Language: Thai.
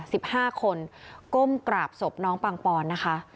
สิบห้าคนก้มกราบศพน้องปังปอนนะคะ